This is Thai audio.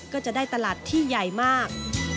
ก็จะได้ตลาดที่ใหญ่มาก